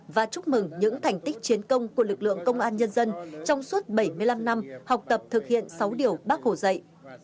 và chúc mừng những thành tích chiến công của lực lượng công an nhân dân trong suốt bảy mươi năm năm học tập thực hiện sáu điều bác hồ dạy